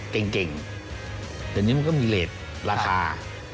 ก็คือคุณอันนบสิงต์โตทองนะครับ